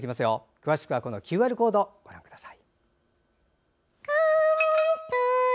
詳しくはＱＲコードをご覧ください。